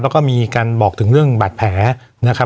วันนี้แม่ช่วยเงินมากกว่า